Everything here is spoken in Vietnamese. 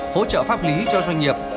hỗ trợ pháp lý cho doanh nghiệp